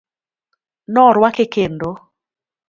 Noruake kendo.